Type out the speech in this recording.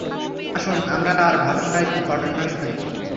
আসুন, আমরা তার ভাষায় ঘটনাটি শুনি।